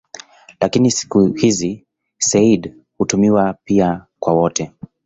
Lakini siku hizi "sayyid" hutumiwa pia kwa wote.